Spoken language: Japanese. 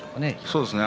そうですね。